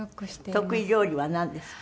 得意料理はなんですか？